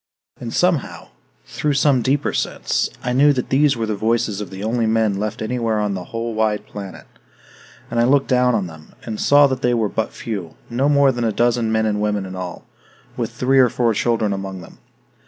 And somehow, through some deeper sense, I knew that these were the voices of the only men left anywhere on the whole wide planet. And I looked down on them, and saw that they were but few, no more than a dozen men and women in all, with three or four children among them.